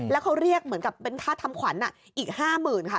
แล้วเขาเรียกเหมือนกับเป็นค่าทำขวัญอีก๕๐๐๐ค่ะ